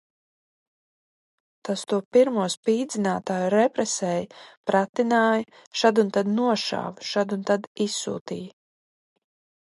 Tas to pirmo spīdzinātāju represēja, pratināja, šad un tad nošāva, šad un tad izsūtīja.